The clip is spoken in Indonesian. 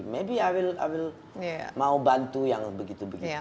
maybe i will mau bantu yang begitu begitu